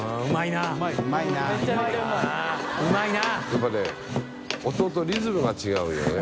やっぱりね音とリズムが違うよね。